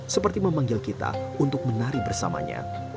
seperti memanggil kita untuk menari bersamanya